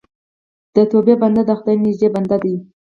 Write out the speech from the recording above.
د توبې بنده د خدای نږدې بنده دی.